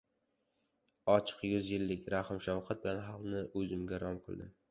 Ochiq yuzlilik, rahm-shafqat bilan xalqni o‘zimga rom qildim.